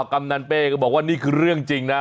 กำนันเป้ก็บอกว่านี่คือเรื่องจริงนะ